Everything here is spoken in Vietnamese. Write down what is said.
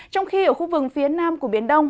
trong khi ở khu vực phía nam của biển đông